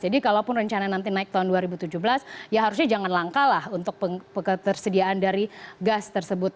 jadi kalaupun rencana nanti naik tahun dua ribu tujuh belas ya harusnya jangan langka lah untuk pengetersediaan dari gas tersebut